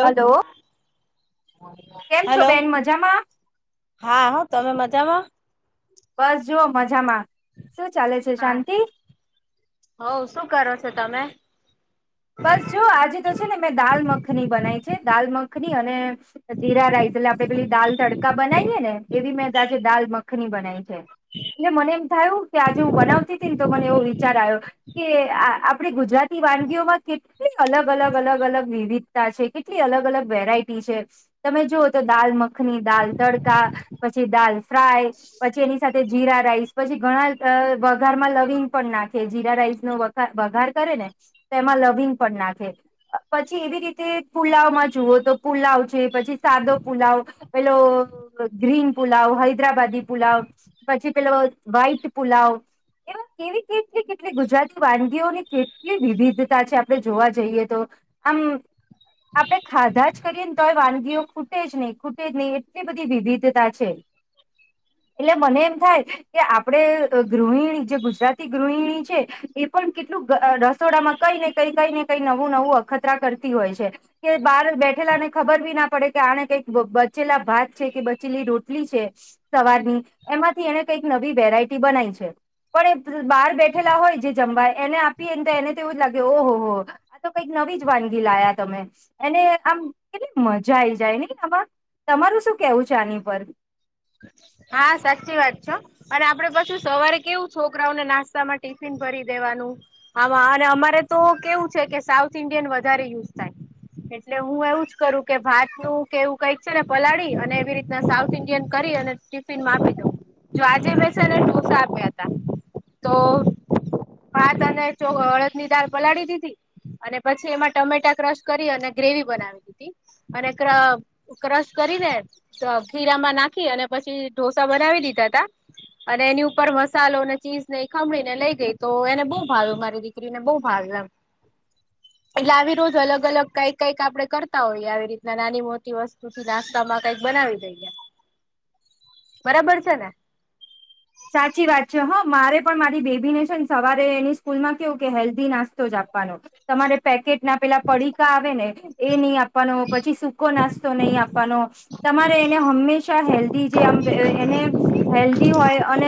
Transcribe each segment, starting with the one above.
Hello. કેમ છો hello બેન મજામાં. હા હ તમે મજામાં. બસ જુઓ મજામાં શું ચાલે છે, શાંતિ. હઓ શું કરો છો તમે. બસ જોુ આજે તો છે ને મેં દાલ મખની બનાવી છે. દાલ મખની અને- જીરા રાઈસ લ- આપણે પેલી દાલ તડકા બનાવીએ ને એવી મેંજે દાલ મખની બનાવી છે. એટલે મને એમ થયું કે આજે હું બનાવતી હતી ને તો મને એવો વિચાર આયો. કે આ આપડે ગુજરાતી વાનગીઓમાં- કેટલી અલગ અલગ અલગ અલગ વિવિધતા છે, કેટલી અલગ અલગ વેરાયટી છે. તમે જુઓ તો દાલ મખની દાલ તડકા પછી દાલ ફ્રાય- પછી એની સાથે જીરા રાઈસ પછી ઘણા વઘારમાં લવિંગ પણ નાખે જીરા રાઈસ નો વઘ વઘાર કરે ને તેમાં લવિંગ પણ નાખે. પછી એવી રીતે પુલાવમાં જુઓ તો પુલાવ છે પછી સાદો પુલાવ પેલોલો ગ્રીન પુલાવ હૈદરાબાદી પુલાવ. પછી પેલો વ્હાઈટ પુલાવ. એ વાકેવી કેટલી કેટલી ગુજરાતી વાનગીઓની કેટલી વિવિધતા છે. આપણે જોવા જઈએ તો આમ આપડે ખાધા જ કરીએ ને તોય વાનગીઓ ખૂટે જ નહી ખૂટે જ નહી એટલી બધી વિવિધતા છે. [unintelligible] એટલે મને એમ થાય કે આપડે ગૃહિણી જે ગુજરાતી ગૃહિણી છે એ પણ કેટલું રસોડામાં કઈ ને કઈ કઈ ને કઈ નવું નવું અખતરા કરતી હોય છે કે બહાર બેઠેલાને ખબર બી ના પડે કે આને કઈક બચેલા ભાત છે કે બચેલી રોટલી છે સવારની એમાંથી એને કઈક નવી વેરાયટી બનાવી છે પણ એ બહાર બેઠેલા હોય જે જમવા એને આપીએ ને તો એને તો એવું જ લાગે ઓહો હો આ તો કઈક નવી જ વાનગી લાયા તમે એને આમ કેવી ક મજા આઈ જાય નઇ આમાં તમારું શું કેવું છે આની પર હા સાચી વાત છે હો અને આપડે પાછું સવારે કેવું છોકરાઓને નાસ્તામાં ટિફિન ભરી દેવાનું હામાં અને અમારે તો કેવું છે કે સાઉથ ઇન્ડિયન વધારે યુઝ થાય એટલે હું એવું જ કરું કે ભાત નું કે એવું કઈક પલાળી અને એવી રીતના સાઉથ ઇન્ડિયન કરી અને ટિફિન મા આપી દઉ જો આજે મે છે ને ઢોસા આપ્યા હતા તો ભાત અને ચો અડદ ની દાળ પલાળી દીધી અને પછી એમાં ટમેટા ક્રશ કરી અને ગ્રેવી બનાવી દીધી અને ક ક્રસ કરીને ખીરામાં નાખ ખી અને પછી ઢોસા બનાવી દીધા તા અને એની ઉપર મસાલો ને ચીઝ ને ઈ ખમણી ને લઈ ગઈ તો એને બહુ ભાવ્યો મારી દીકરીને બહુ ભાવ્યું એમ એટલે આવી રોજ અલગ અલગ કઈક કઈક આપણે કરતા હોઈએ આવી રીતના નાની મોટી વસ્તુ પછી નાસ્તામાં કઈક બનાવી દઈ બરાબર છે ને સાચી વાત છે હો મારે પણ મારી બેબી ને છે ને સવારે એની સ્કૂલ માં કેવું કે હેલ્ધી નાસ્તો જ આપવાનો તમારે પેકેટ ના પેલા પડીકા આવે ને એ નહી આપવાનો પછી સૂકો નાસ્તો નહી આપવાનો તમારે એને હંમેશા હેલ્ધી જે આમ એને હેલ્ધી હોય અને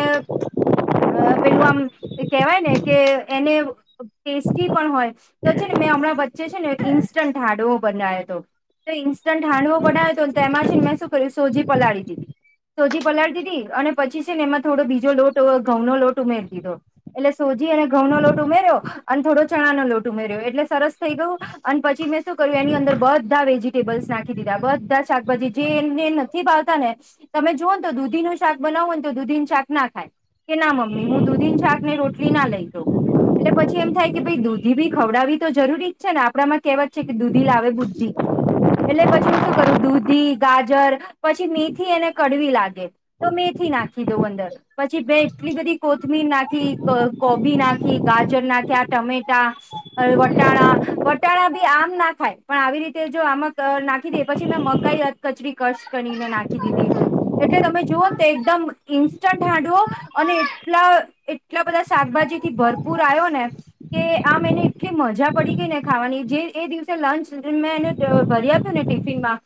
અ પેલું આમ કેહેવાય ને કે એને ટેસ્ટી પણ હોય તો છે ને મેં હમણાં વચ્ચે છે ને ઇન્સ્ટન્ટ હાંડવો બનાયોતો તો ઇન્સ્ટન્ટ હાંડવો બનાવ્યો તો એમા છે ને મેં શું કર્યું સોજી પલાળી દીધી સોજી પલાળી દીધી અને પછી છે ને એમાં થોડો બીજો લોટ ઘઉં નો લોટ ઉમેરી દીધો એટલે સોજી અને ઘઉં નો લોટ ઉમેર્યો અને થોડો ચણા નો લોટ ઉમેર્યો એટલે સરસ થઇ ગયું અને પછી મેં શું કર્યું એની અંદર બધા વેજીટેબલ્સ નાખી દીધા બધા શાકભાજી જે એને નથી ભાવતા ને તમે જુઓ ને તો દૂધીનું શાક બનાવો ને તો દૂધી શાક ના ખાય કે ના મમ્મી હું દુધી શાક ને રોટલી ના લઈ જાવું એટલે પછી એમ થાય કે ભાઈ દૂધી ભી ખવડાવી તો જરૂરી જ છે ને આપડામાં કેહેવત છે, કે દૂધી લાવે બુધી એટલે પછી હું શું કરું દૂધી, ગાજર પછી મેથી એને કડવી લાગે. તો મેથી નાખી દઉં અંદર પછી બે એટલી બધી કોથમીર નાખી, કોબી નાખી, ગાજર નાખ્યા, ટમેટા હવે વટાણા વટાણા બી આમ ના ખાય પણ આવી રીતે જો આમા નાખી દે પછી મેં મકાઈ કચરી કષ્ટ કરીને નાખી દીધી એટલે તમે જુઓ ને તો એકદમ ઈન્સ્ટન્ટ હાંડવો અને એટલા એટલા બધા શાકભાજીથી ભરપૂર આવ્યો ને કે આમ એને એટલી મજા પડી ગઈ ને ખાવાની જે એ દિવસે લંચ મેં એને ભરી આપ્યું ને ટિફિનમાં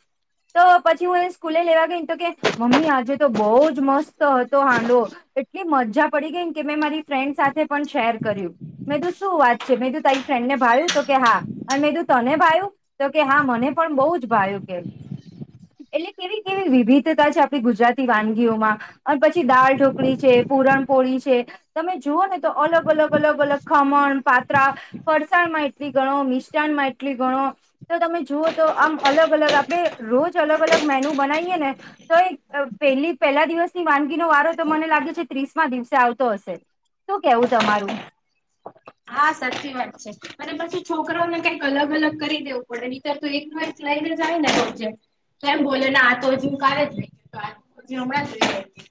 તો પછી હું એને સ્કૂલે લેવા ગઈ તો કે મમ્મી આજે તો બહુ જ મસ્ત હતો તો હાંડવો એટલી મજા પડી ગઈ ને કે મેં મારી ફ્રેન્ડ સાથે પણ શેર કર્યું મેં તું શું વાત છે મેં તું તારી ફ્રેન્ડ ને ભાવ્યું તો કે હા અને મેં તું તને ભાવ્યું તો કે હા મને પણ બહુ જ ભાય્યું કે એટલે કેવી કેવી વિવિધતા છે આપણી ગુજરાતી વાનગીઓમાં અને પછી દળ ઢોકળી છે, પૂરણપોળી છે, તમે જુઓ ને તો અલગ અલગ અલગ અલગ ખમણ પાત્રા ફરસાણ માં એટલી ગણો મિષ્ટાન માં એટલી ગણો. તો તમે જુઓ તો આમ અલગ-અલગ આપડે રોજ અલગ- અલગ મેનું બનાઇએ ને થઈ. પેહલી પહેલા દિવસ વાનગીનો વારો તો મને લાગે છે ત્રીસ માં દિવસે આવતો હશે. શું કેવું તમારુ હા સાચી વાત છે, અને પછી છોકરોને કઈક અલગ-અલગ કરી દેવું રણીતર તો એક લાઇફ લઇને જાયને રોજે કેમ બોલેલા આ તો હજી હું કારે જ લઈ ગય. આ હજી હમણાં જ લઈ ગ હતી.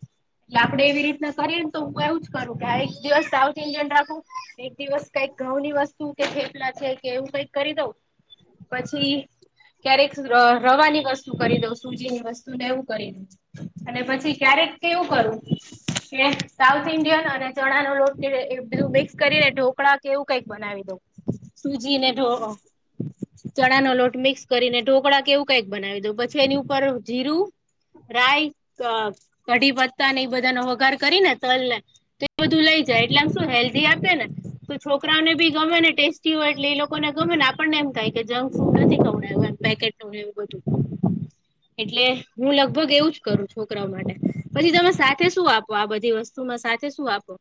આપડે એવી રીતના કરીએને તો હું એવું જ કરું કે આ એક દિવસ સાઉથ ઇન્ડિયન રાખું. એક દિવસ કઈક ઘઉં ની વસ્તુ કે થેફલા છે, કે એવું કઈક કરી દઉં, પછી ક્યારેક ર રવાની વસ્તુ કરી દઉં. સૂજીની વસ્તુ ને એવું કરી દઉ અને પછી ક્યારેક કેવું કરું કે સાઉથ ઇન્ડિયન અને ચણા ન લોટ એ બેવુ મિક્સ કરીને ઢોકળા કે એવું કઈક બનાવી દઉં. સૂજીને ઢો ચણા નો લોટ મિક્સ કરીને ઢોકળા કેવું કઈક બનાવી દઉ, પછી એની ઉપર જીરું રાય, અ કઢીપત્તા ને એ બધાનો વઘાર કરી ને તલ ને બધું લઈ જાય, એટલે મ શું હેલ્ધી આપેને તો છોકરાઓને બી ગમે ને ટેસ્ટ ટી એટ લોકોને ગમે ને આપણને એમ થાય કે જંક્ ફૂડ નથી ગમતા પેકેટને એવું બધું. એટલે હું લગભગ એવું જ કરું. છોકરાઓ માટે પછી તમે સાથે શું આપો? આ બધી વસ્તુ શુંમાં સાથે શું આપો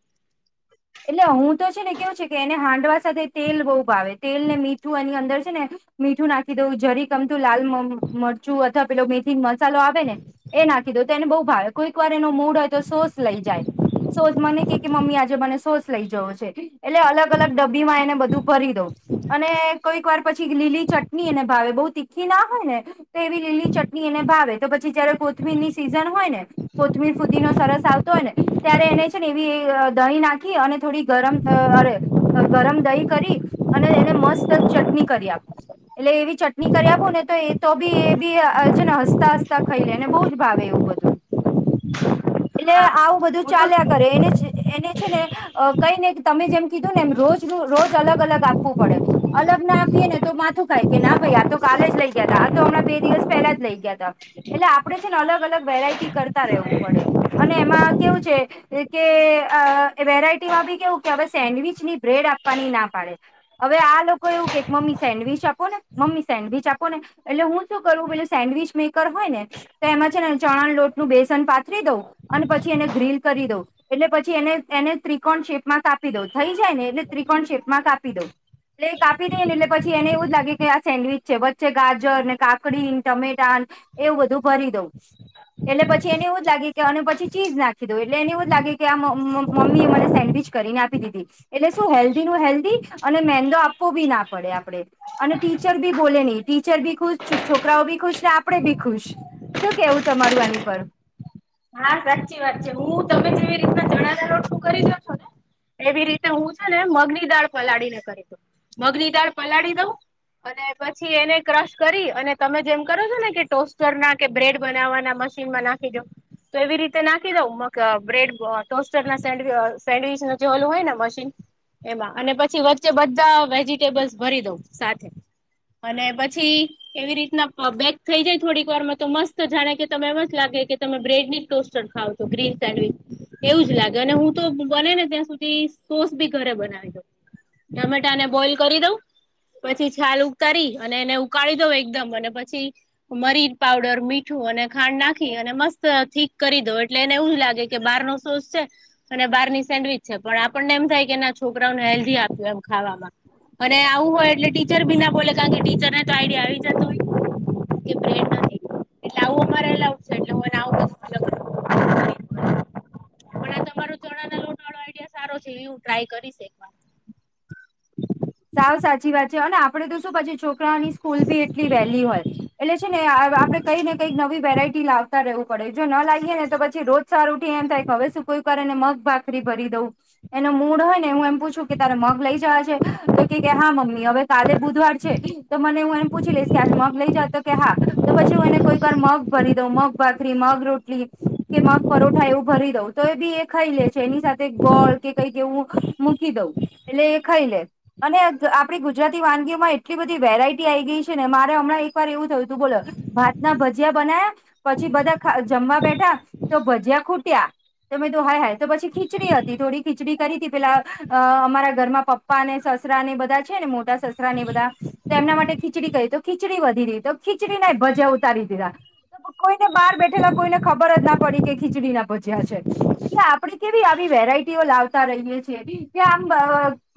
એટલે હું તો છેને, કેવું છે, કે એને હાંડવા સાથે તેલ બહુ ભાવે તેલ ને મીઠું એની અંદર છેને મીઠું નાખી દેવું. જરી ગમતું લાલ મ મરચું અથવા પેલો મેથીનો મસાલો આવેને એ નાખી દો તો એને બહુ ભાવે. કોઈક વાર એનો મૂડ હોય તો સોસ લઈ જાય. સોસ મને કે કે મમ્મી આજે મને સોસ લઈ જવો છે. એટલે અલગ- અલગ ડબ્બી માં એને બધું ભરી દો. અને કોઈક વાર પછી લીલી ચટણી એને ભાવે બવ તીખી ઘી ના હોય ને તો એવી લીલી ચટણી એને ભાવે. તો પછી જયારે કોથમીરની સિઝન હોયને કોથમીર ફુદીનો સરસ આવતો હોયને, ત્યારે એને છે ને એવી દહીં નાખ નાખી અને થોડી ગરમ અરે ગરમ દહી કરી અને એને મસ્ત જ ચટણી કરી આપું, એટલે એવી ચટણી કરી આપું ને તો એ તો બી એ બી અ છે ને હસતા - હસતા ખાઈ લે ને, બહુ જ ભાવે એવું બધું. એટલે હા આવું બધું હું તો ચાલ્યા કરે. એને એને છે ને કઈ ને તમે જેમ કીધું ને એમ રોજ- રોજ અલગ અલગ આપવું પડે. અલગ ના આપીએ ને તો માથું ખાય, કે ના ભાઈ આ તો કાલે જ લઈ ગયાતા. આ તો હમણાં બે દિવસ પહેલા જ લઈ ગયાતા. એટલે આપડે છે ને અલગ- અલગ વેરાયટી કરતા રહેવું પડે. અને એમાં કેવું છે, કે અ એ વેરાયટીમાં બી કેવું કે હવે સેન્ડવીિચ ની બ્રેડ આપવાની ના પાડે. હવે આ લોકો એવું કેક મમ્મી સેન્ડવીચ આપો ને મમ્મી સેન્ડવીચ આપો ને. એટલે હું શું કરું પેલું સેન્ડવીિચ મેકર હોય ને તો એમાં છે ને ચણા લોટનું બેસન પાથરી દઉં, અને પછી એને ગ્રીલ કરી દઉં, એટલે પછી એને એને ત્રિકોણ શેપમાં કાપી દઉ. થઈ જાય ને એટલે ત્રિકોણ શેપમાં કાપી દઉ. એટલે કાપી દે ને એટલે પછી એને એવું જ લાગે કે આ સેન્ડવીચ છે. વચ્ચે ગાજરને, કાકડીને, ટમેટા એવું બધું ભરી દઉં. એટલે પછી એને એવું જ લાગે કે અને પછી ચીઝ નાખી દઉં, એટલે એને એવું જ લાગે કે આ મ મ મમ્મી એ મને સેન્ડવીચ કરીને આપી દીધી. એટલે શું હેલ્ધી નું હેલ્ધી, અને મેંદો આપવો બી ના પડે આપડે. અને ટીચર બી બોલે ની. ટીચર બી ખુશ છું, છોકરાઓ બી ખુશ, ને આપણેે બી ખુશ. શું કેવું તમારું આની પર? હા સાચી વાત છે. હું તમે જેવી રીતના ચણાના લોટનું કરી દો છો ને એવી રીતે હું છે ને મગની દાળ પલાળી ને કરી દઊં. મગની દાળ પલાળી દઉં. અને પછી એને ક્રશ કરી અને ને તમે જેમ કરો છો ને કે ટોસ્ટર ના કે બ્રેડ બનાવવાના મશી એમાં નાખી દો. તો એવી રીતે નાખી દઉં મ બ્રેડ ટોસ્ટર સે સેન્ડવીચ જે ઓલું હોય ને મશીન એમાં અને પછી વચ્ચે બધા વેજીિટેબલ્સ ભરી દઉં સાથે. અને પછી એવી રીતના બેેક થઈ જાય થોડીક વારમાં તો મસ્ત જાણે કે તમે એમ જ લાગે કે તમે બ્રેડ [inaudible] ગ્રીન સેન્ડ. એવું જ લાગે અને હું તો બને ને ત્યાં સુધી સોસ બી ઘરે બનાવી દઉ. ટમેટાને બોઈલ કરી દઉં. પછી છાલ ઉતારી અને એને ઉકાળી દઉ એકદમ અને પછી મરી પાવડર મીઠું અને ખાંડ નાખી અને મસ્ત ઠીક કરી દો એટલે એને એવું જ લાગે કે બાર નો સોસ છે અને બારની સેન્ડવીચ પણ આપણને એમ થાય કે ના છોકરાઓને હેલ્ધી આપ્યું એમ ખાવામાં અને આવું હોય એટલે ટીચર બી ના બોલે કારણ કે ટીચરને તો આઈડિયા આવી જતો હોય કે. એટલે આવું અમારે એટલે હુંને આવ તમારો ચણા ના લોટળો આઈડિયા સારો છે એવું ટ્રાય કરીશવા એકવાર સાવ સાચી વાત છે અને આપડે તો શું પછી છોકરાઓની સ્કૂલ ભી એટલી વહેલી હોય. એટલે છે ને આપડે કઈક ને કઈક નવી વેરાઈટી લાવતા રહું. પડે જો ના લાગીએ ને તો પછી રોજ સારું ઉઠી એમ થાય કે હવે શું કોઈ કરે ને મગ ભાગ કરી કરીરી દઉં એનો મૂડ હોય ને હું એમ પૂછું કે તારે મગ લઈ જવા છે. તો કે હા મમ્મી હવે કાલે બુધવાર છે તો મને હું એમ પૂછી લઈશ કે આજ મગ લઈ જ તો કે હા. તો પછી હું એને કોઈક વાર મગ ભરી દઉં મગ ભાખરી મગ રોટલી કે માગ પરોઠા એવું ભરી દઉં તો એ બી એક ખાઈ લે છે એની સાથે ગોળ કે કઈક એવું મૂકી દઉં એટલે એ ખાઈ લે. અને આપડી ગુજરાતી વાનગીઓમાં એટલી બધી વેરાઈટી આઈ ગઈ છે ને મારે હમણાં એકવાર એવું થયું. તું બોલો ભાત ના ભજીયા બના્યા પછી બધા જમવા બેઠા તો ભજીયા ખૂટ્યા તમે તો હ હ તો પછી ખીચડી હતી થોડી. ખીચડી કરી હતી પેલા અમારા ઘરમાં પપ્પા ને સસરા ને બધા છે ને. સસરા ને બધા તો એમના માટે ખીચડી ક તો ખીચડી વધી રી તો ખીચડીને ભજા ઉતારી દીધા. કોઈને બહાર બેઠેલા કોઈને ખબર જ ના પડી કે ખીચડી ના પજ્યા છે. એટલે આપડે કેવી આવી વેરાયટીઓ લાવતા રહીયે છીએ કે આમ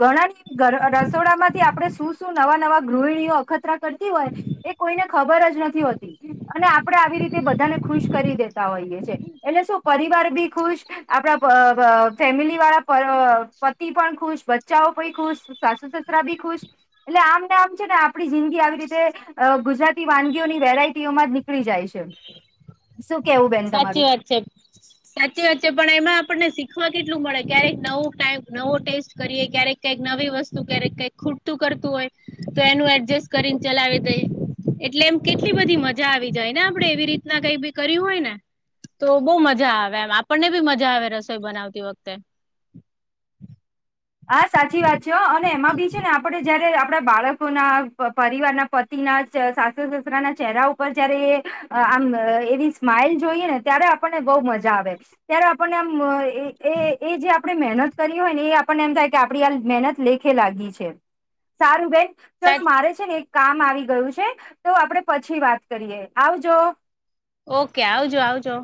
ઘણા રસોડા માંથી આપડણે શું શું નવા નવા ગૃહિણીઓ અખતરા કરતી હોય. એ કોઈને ખબર જ નથી હોતી. અને આપડે આવી રીતે બધાને ખુશ કરી દેતા હોઈએ છેએ એટલે શું પરિવાર ભી ખુશ આપણા ફેમિલી વાળા પતિ પણ ખુશ બચ્ચાઓ પણ ખુશ સાસુ સસરા બી ખુશ એટલે આમ ને આમ છે ને આપણી જિંદગી આવી રીતે અ ગુજરાતી વાનગીઓની વેરાયટીઓમાં જ નીકળી જાય છે. શું કેવું બે સાચી વાત છે. સાચી વાચ્ચે પણ એમાં આપણને શીખવા કેટલું મળે ક્યારેક નવો ટાઈમ નવો ટેસ્ટ કરીએ ક્યારેક કઈક નવી વસ્તુ, ક્યારેક કઈક ખૂટતું કરતું હોય તો એનું એડજસ્ટ કરીને ચલાવી દઈ. એટલે એમ કેટલી બધી મજા આવી જાય ને આપડે એવી રીતના કઈ બી કર્યું હોય ને તો બો મજા આવે એમ આપણને બી મજા આવે રસોઈ બનાવતી વખતે હા સાચી વાત છે અને એમાં બી છે ને આપડે જયારે આપડા બાળકો ના પરિવારના પત એના સાસુ, સસરા ના ચહેરા ઉપર જયારે આમ એવી સ્માઈલ જોઈએ ને ત્યારે આપ પને બઉ મજા આવે ત્યારે આપણને એ જે આપણે મહેનત કરી હોય ને એ આ એમ થાય કે આપ આ મહેનત લેખે લાગી છે સારું બેન ચલો સાચ મારે ને એક કામ આવી ગયું છે તો આપડે પછી વાત કરીએ આવજો. ઓકે આવજો આવજો.